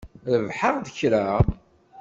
Rebḥeɣ-d kra?